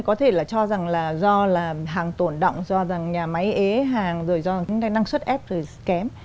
có thể cho rằng do hàng tổn động do nhà máy ế hàng do năng suất ép rồi kém